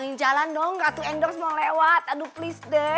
s ig jangkak guys